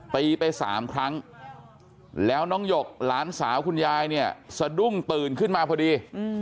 ไป๓ครั้งแล้วน้องหยกหลานสาวคุณยายเนี่ยสะดุ้งตื่นขึ้นมาพอดี